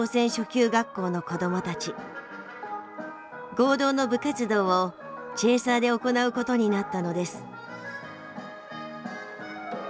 合同の部活動をチェーサーで行うことになったのです。